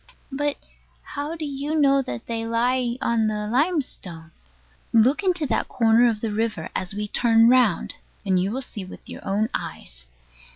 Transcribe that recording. But how do you know that they lie on the limestone? Look into that corner of the river, as we turn round, and you will see with your own eyes.